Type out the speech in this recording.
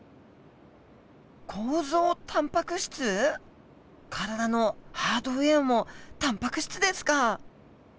構造タンパク質？体のハードウエアもタンパク質ですか！